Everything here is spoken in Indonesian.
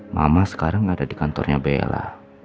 mama sekarang ada di kantornya bella